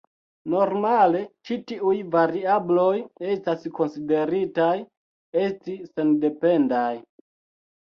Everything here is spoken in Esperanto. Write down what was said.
Normale ĉi tiuj variabloj estas konsideritaj esti sendependaj.